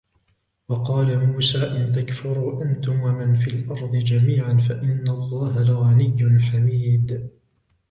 وَقَالَ مُوسَى إِنْ تَكْفُرُوا أَنْتُمْ وَمَنْ فِي الْأَرْضِ جَمِيعًا فَإِنَّ اللَّهَ لَغَنِيٌّ حَمِيدٌ